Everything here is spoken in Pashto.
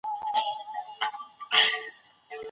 موږ بايد د سياست په اړه علمي چلند ولرو.